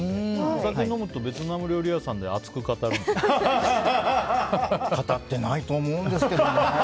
お酒飲むとベトナム料理屋さんで語ってないと思うんですけどね。